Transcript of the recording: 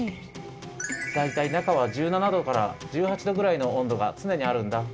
だいたい中は１７度から１８度ぐらいの温度がつねにあるんだ。